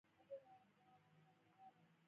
تودوخه د افغانانو د تفریح یوه وسیله ده.